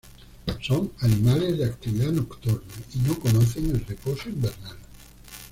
Son animales de actividad nocturna y no conocen el reposo invernal.